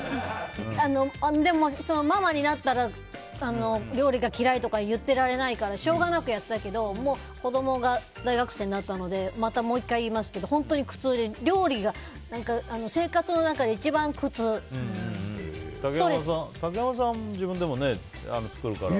でも、ママになったら料理が嫌いとか言ってられないからしょうがなくやってたけど子供が大学生になったのでまたもう１回言いますけど本当に苦痛で、料理が生活の中で竹山さんは自分でも作るから。